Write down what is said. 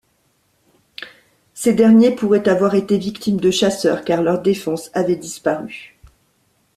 Ces derniers pourraient avoir été victimes de chasseurs car leurs défenses avaient disparu.